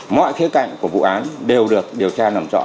mọi khía cạnh của vụ án đều được điều tra làm rõ